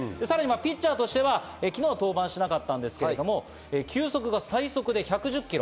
ピッチャーとしては昨日は登板しませんでしたが球速が最速で１１０キロ。